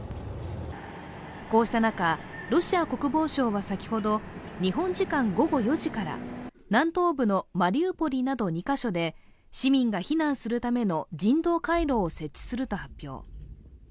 こうした中、ロシア国防省は先ほど日本時間午後４時から南東部のマリウポリなど２カ所で市民が避難するための人道回廊を設置すると発表。